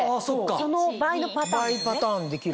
その倍のパターンですね。